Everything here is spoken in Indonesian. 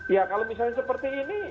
ya kalau misalnya seperti ini